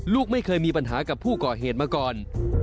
ลูกไม่เคยมีปัญหากับผู้ก่อเหตุมาก่อน